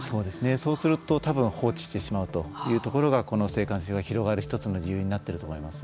そうすると放置してしまうというところがこの性感染症が広がる１つの理由になっていると思います。